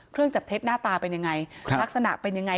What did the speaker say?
เครื่องจับเท็จหน้าตาเป็นยังไงลักษณะเป็นยังไง